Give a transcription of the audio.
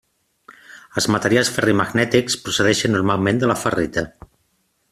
Els materials ferrimagnètics procedeixen normalment de la ferrita.